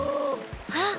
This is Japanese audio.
あっ！